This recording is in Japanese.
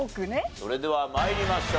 それでは参りましょう。